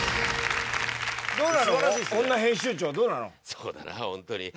そうだなホントに。